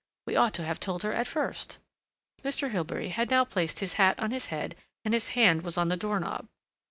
We ought to have told her at first." Mr. Hilbery had now placed his hat on his head, and his hand was on the door knob.